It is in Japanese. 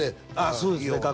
そうですね